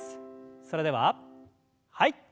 それでははい。